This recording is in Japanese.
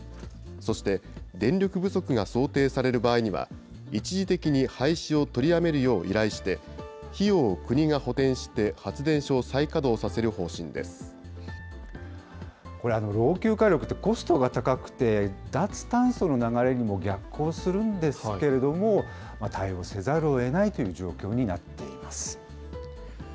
そして、電力不足が想定される場合には、一時的に廃止を取りやめるよう依頼して、費用を国が補填して、発電所を再稼働させる方針これ、老朽火力って、コストが高くて、脱炭素の流れにも逆行するんですけれども、対応せざるをえないという状況になっています。